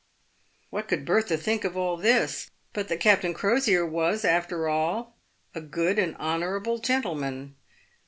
What could Bertha think of all this, but that Captain Crosier was, after all, a good and honourable gentleman